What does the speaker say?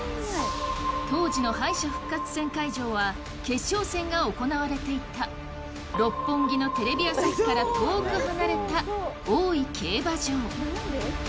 当時の敗者復活戦会場は決勝戦が行われていた六本木のテレビ朝日から遠く離れた大井競馬場。